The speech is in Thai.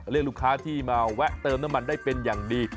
เรียกลูกค้าที่มาแวะเติมน้ำมันได้เป็นอย่างดี